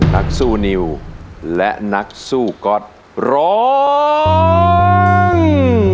นักสู้นิวและนักสู้ก๊อตร้อง